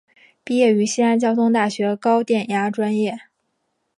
毕业于西安交通大学高电压专业。